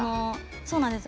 そうなんです。